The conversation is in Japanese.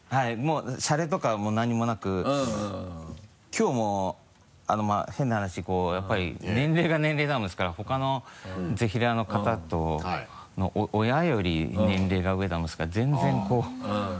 きょうもう変な話こうやっぱり年齢が年齢なものですからほかのぜひらーの方の親より年齢が上なもんですから全然こう。